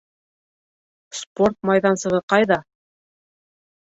Спорт майҙансығы ҡайҙа?